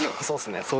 そうですね。